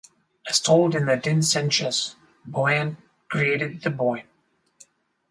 As told in the Dindsenchas, Boann created the Boyne.